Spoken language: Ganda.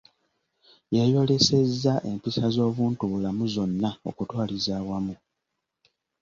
Yayolesezza empisa z'obuntubulamu zonna okutwaliza awamu.